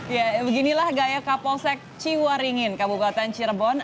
ya beginilah gaya kapolsek ciwaringin kabupaten cirebon